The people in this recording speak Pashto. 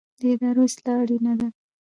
د ادارو اصلاح اړینه ده